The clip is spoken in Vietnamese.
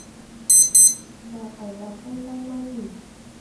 mà phải làm tay sai cho quỷ